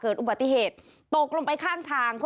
อุบัติเหตุตกลงไปข้างทาง